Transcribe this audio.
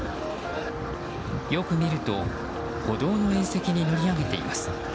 よく見ると歩道の縁石に乗り上げています。